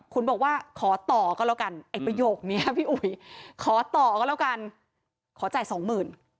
คุณบอกว่าขอต่อก็แล้วกันไอ้ประโยคนี้พี่อุ๋ยขอต่อก็แล้วกันขอจ่ายสองหมื่น